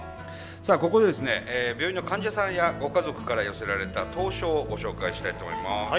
さあここで病院の患者さんやご家族から寄せられた投書をご紹介したいと思います。